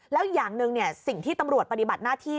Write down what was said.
แล้วอย่างหนึ่งสิ่งที่ตำรวจปฏิบัติหน้าที่